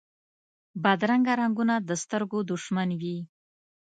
بدرنګه رنګونه د سترګو دشمن وي